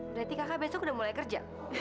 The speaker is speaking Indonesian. berarti kakak besok udah mulai kerja